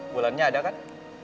wulannya ada kan